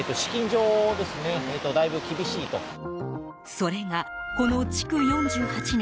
それが、この築４８年